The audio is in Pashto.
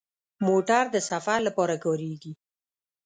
موټر د سفر لپاره کارېږي.